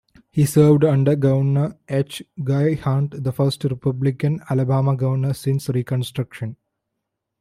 He served under Governor H. Guy Hunt, the first Republican Alabama Governor since Reconstruction.